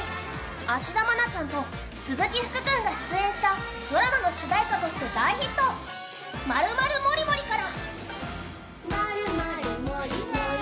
芦田愛菜ちゃんと鈴木福君が出演したドラマの主題歌として大ヒット「マル・マル・モリ・モリ！」から。